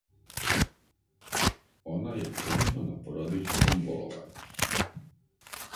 Она је тренутно на породиљском боловању.